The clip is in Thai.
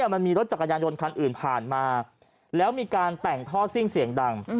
มันมีรถจักรยานยนต์คันอื่นผ่านมาแล้วมีการแต่งท่อซิ่งเสียงดัง